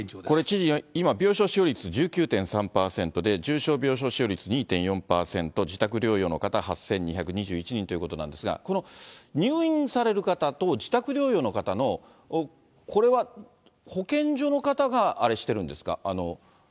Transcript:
これ知事、今、病床使用率１９．３％で、重症病床使用率２．４％、自宅療養の方８２２１人ということなんですが、この入院される方と自宅療養の方の、これは保健所の方があれしてるんですか？